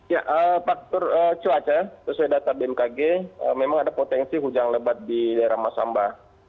ya faktor cuaca sesuai data bmkg memang ada potensi hujan lebat di daerah masamba